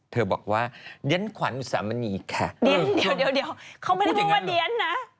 เธอบอกว่าเดี๋ยวเขามันไม่รู้ว่าเดี๋ยนนะ